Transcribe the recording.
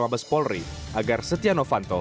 mabes polri agar setia novanto